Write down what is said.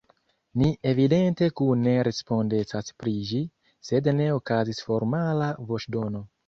Ni evidente kune respondecas pri ĝi, sed ne okazis formala voĉdono.